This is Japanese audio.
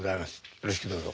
よろしくどうぞ。